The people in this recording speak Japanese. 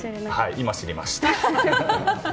今、知りました。